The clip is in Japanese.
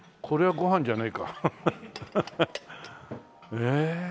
へえ。